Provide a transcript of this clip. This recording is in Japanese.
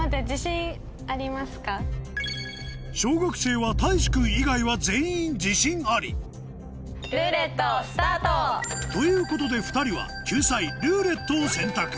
小学生はたいし君以外は全員自信ありルーレットスタート！ということで２人は救済「ルーレット」を選択